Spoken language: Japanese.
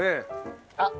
あっ！